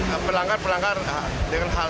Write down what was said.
dan perlanggar perlanggar dengan hal